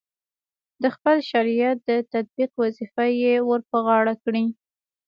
د خپل شریعت د تطبیق وظیفه یې ورپه غاړه کړې.